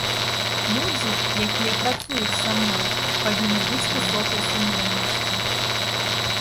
Людзі, якія працуюць са мной, павінны быць высокай сумленнасці.